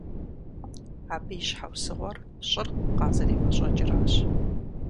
Абы и щхьэусыгъуэр щӀыр къазэремэщӀэкӀыращ.